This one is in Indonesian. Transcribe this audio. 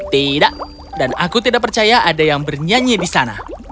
tidak dan aku tidak percaya ada yang bernyanyi di sana